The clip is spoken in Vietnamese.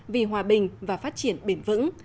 vì hòa bình và phát triển bền vững